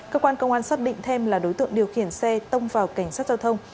cơ quan công an xác định thêm là đối tượng điều khiển xe tông vào cảnh sát giao thông